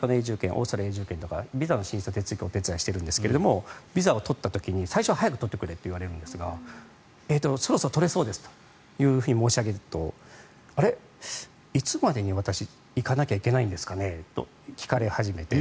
オーストラリアの移住権とかビザの申請の手続きをお手伝いしているんですが最初は早く取ってくれと言われるんですがそろそろ取れそうですかと申し上げるとあれ、いつまでに私行かなきゃいけないんですかねと聞かれ始めて。